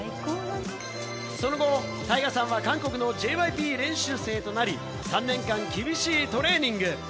その後、タイガさんは韓国のＪＹＰ練習生となり、３年間厳しいトレーニング。